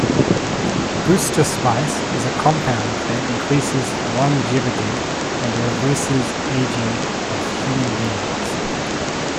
Boosterspice is a compound that increases the longevity and reverses aging of human beings.